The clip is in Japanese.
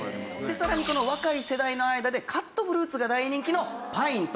さらに若い世代の間でカットフルーツが大人気のパインと。